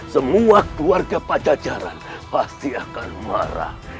semua keluarga pajajaran pasti akan marah